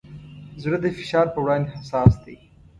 زړه د فشار پر وړاندې حساس دی.